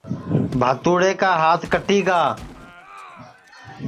ٻھاتوڑے کا ہات کٹی گا ہے